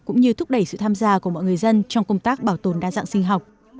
cũng như thúc đẩy sự tham gia của mọi người dân trong công tác bảo tồn đa dạng sinh học